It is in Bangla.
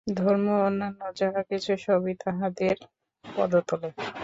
ধর্ম ও অন্যান্য যাহা কিছু, সবই তাহাদের পদতলে।